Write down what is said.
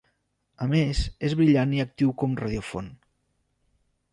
A més, és brillant i actiu com radiofont.